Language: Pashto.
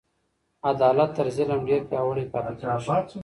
عدالت تر ظلم ډیر پیاوړی پاته کیږي.